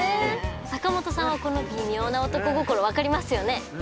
坂本さんはこの微妙な男心分かりますよね？